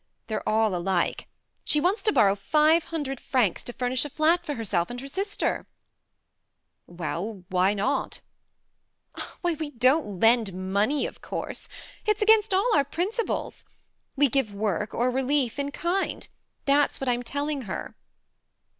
They're all alike. She wants to borrow five hundred THE MARNE 75 francs to furnish a flat for herself and her sister." "Well, why not?" "Why, we don't lend money, of course. It's against all our principles. We give work, or relief in kind that's what I'm telling her."